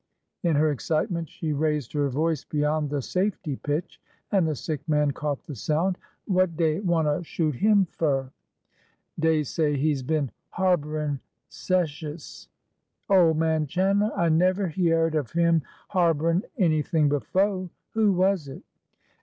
" In her excitement, she raised her voice beyond the safety pitch, and the sick man caught the sound. What dey wanter shoot him fur? " Dey say he 's been harborin' secesh." '' Ole man Chan'ler ! I never hyeahed of 'im harborin' anything befo' ! Who was it